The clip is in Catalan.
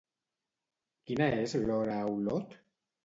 Quina és l'hora a Olot?